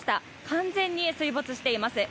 完全に水没しています。